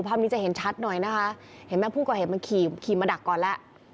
ภาพนี้จะเห็นชัดหน่อยนะคะเห็นไหมผู้ก่อเหตุมันขี่มาดักก่อนแล้ว